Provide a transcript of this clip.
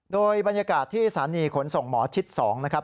โดยบรรยากาศที่สถานีขนส่งหมอชิด๒นะครับ